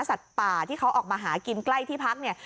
สัตว์ป่าที่เขาออกมาหากินใกล้ที่พักเนี่ย